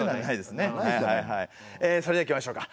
それではいきましょうか。